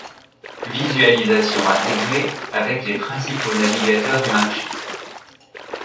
Visualisation intégrée avec les principaux navigateurs du marché.